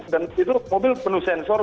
dan itu mobil penuh sensor